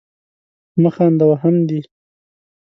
مه خانده ! وهم دي.